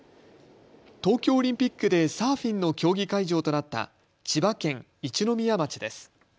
東京オリンピックでサーフィンの競技会場となった千葉県一宮町です。